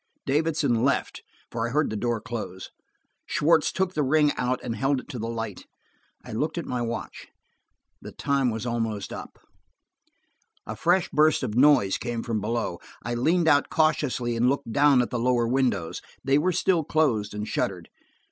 Davidson left, for I heard the door close. Schwartz took the ring out and held it to the light. I looked at my watch. The time was almost up. A fresh burst of noise came from below. I leaned out cautiously and looked down at the lower windows; they were still closed and shuttered.